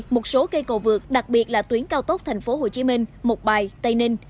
một số cây cầu vượt đặc biệt là tuyến cao tốc thành phố hồ chí minh mộc bài tây ninh